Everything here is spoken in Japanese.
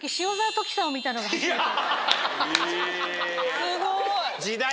すごい！